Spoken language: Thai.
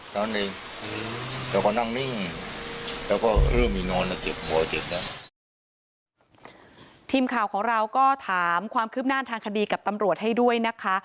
ทีมข่าวของเราก็ถามความคืบหน้าทางคดีกับตำรวจให้ด้วยนะคะ